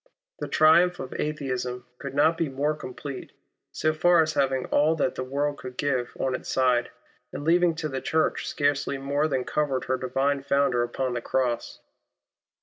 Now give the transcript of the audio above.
The triumph of Atheism could not be more complete, so far as having all that the world could give on its side, and leaving to the Church scarcely more than covered her Divine Founder upon the Cross.